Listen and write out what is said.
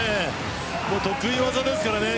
得意技ですからね。